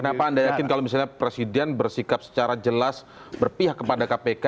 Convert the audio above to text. kenapa anda yakin kalau misalnya presiden bersikap secara jelas berpihak kepada kpk